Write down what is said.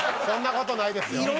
そんなことないですよ！